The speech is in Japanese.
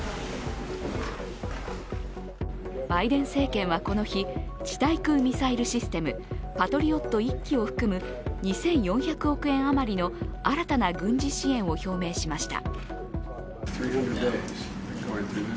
バイデン政権は、この日地対空ミサイルシステムパトリオット１基を含む２４００億円余りの新たな軍事支援を表明しました。